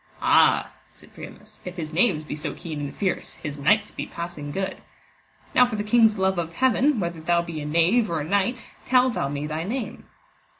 Ah, said Priamus, if his knaves be so keen and fierce, his knights be passing good: now for the King's love of Heaven, whether thou be a knave or a knight, tell thou me thy name.